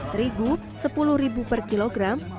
terigu rp sepuluh per kilogram